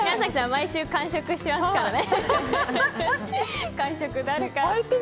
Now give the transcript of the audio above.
毎週完食していますからね。